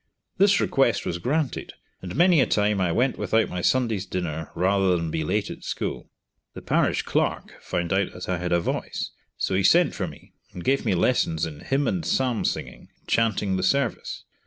This request was granted, and many a time I went without my Sunday's dinner rather than be late at school. The Parish clerk found out that I had a voice, so he sent for me and gave me lessons in hymn and psalm singing, and chanting the service.